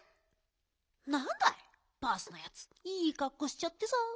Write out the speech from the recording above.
なんだいバースのやついいかっこしちゃってさ。